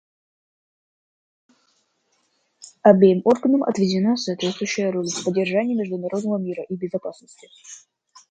Обеим органам отведена соответствующая роль в поддержании международного мира и безопасности.